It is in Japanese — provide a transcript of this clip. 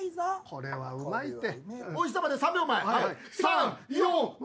これはうまいて。